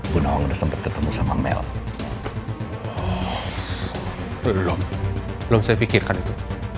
belum belum saya pikirkan itu